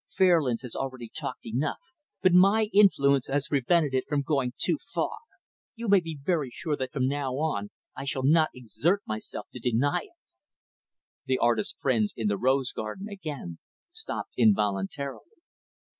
Fairlands has already talked enough, but my influence has prevented it from going too far. You may be very sure that from now on I shall not exert myself to deny it." The artist's friends in the rose garden, again, stopped involuntarily.